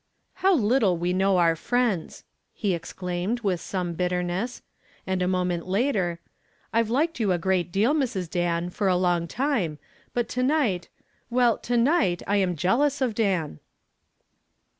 "How little we know our friends!" he exclaimed, with some bitterness. And a moment later, "I've liked you a great deal, Mrs. Dan, for a long time, but to night well, to night I am jealous of Dan."